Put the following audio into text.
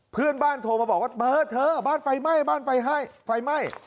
เพื่อนบ้านโทรมาบอกว่าเธอบ้านไฟไหม้บ้านไฟไหม้